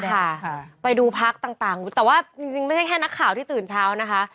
ค่ะไปดูพักต่างแต่ว่าจริงไม่ใช่แค่นักข่าวที่ตื่นเช้านะคะ